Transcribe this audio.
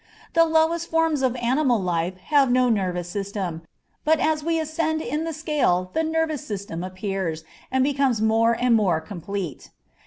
The lowest forms of animal life have no nervous system, but as we ascend in the scale the nervous system appears, and becomes more and more complete.